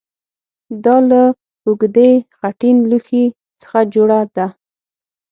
دا له اوږدې خټین لوښي څخه جوړه ده